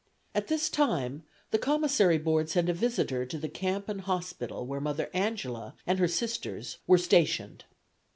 At this time the Commissary Board sent a visitor to the camp and hospital where Mother Angela and her Sisters were stationed.